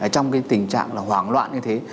trong cái tình trạng là hoảng loạn như thế